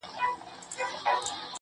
عشقه اوزګار چې درته نه شوم بدر